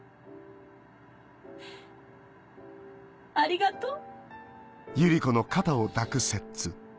ありがとう。